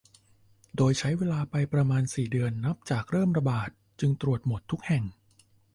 โดยใช้เวลาไปประมาณสี่เดือนนับจากเริ่มระบาด จึงตรวจหมดทุกแห่ง